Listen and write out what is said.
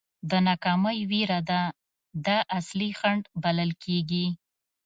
د ناکامۍ وېره ده دا اصلي خنډ بلل کېږي.